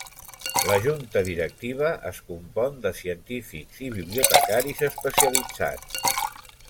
La junta directiva es compon de científics i bibliotecaris especialitzats.